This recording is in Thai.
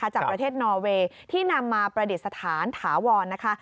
จากประเทศนออเวย์ที่นำมาประเด็ดสถานถาวร